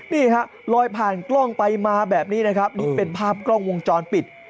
นี่ฮะลอยผ่านกล้องไปมาแบบนี้นะครับนี่เป็นภาพกล้องวงจรปิด